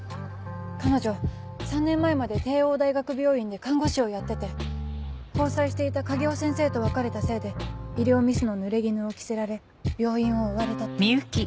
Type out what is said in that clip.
彼女３年前まで帝王大学病院で看護師をやってて交際していた影尾先生と別れたせいで医療ミスのぬれぎぬを着せられ病院を追われたって。